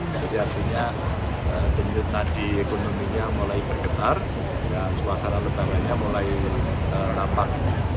jadi artinya kelihatan ekonominya mulai bergetar dan suasana lebarannya mulai rapat